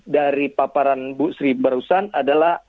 dari paparan bu sri barusan adalah